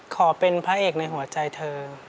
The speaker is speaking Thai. ขอเป็นพระเอกในหัวใจเธอ